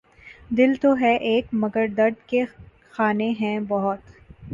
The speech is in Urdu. دل تو ہے ایک مگر درد کے خانے ہیں بہت